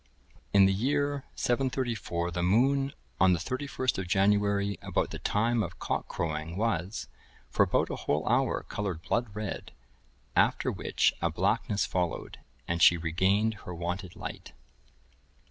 In the year 734, the moon, on the 31st of January, about the time of cock crowing, was, for about a whole hour, coloured blood red, after which a blackness followed, and she regained her wonted light.